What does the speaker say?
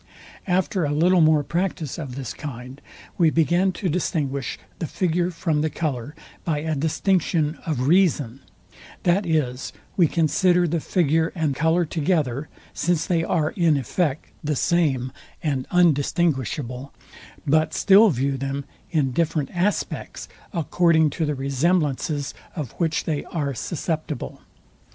After a little more practice of this kind, we begin to distinguish the figure from the colour by a distinction of reason; that is, we consider the figure and colour together, since they are in effect the same and undistinguishable; but still view them in different aspects, according to the resemblances, of which they are susceptible.